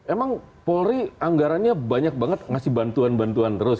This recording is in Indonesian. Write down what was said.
emang polri anggarannya banyak banget ngasih bantuan bantuan terus